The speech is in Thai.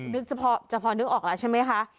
จะพอนึกออกแล้วใช่ไหมคะ